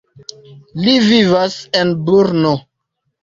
Li vivas en Brno.